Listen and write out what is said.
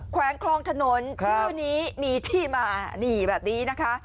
แวงคลองถนนชื่อนี้มีที่มานี่แบบนี้นะคะ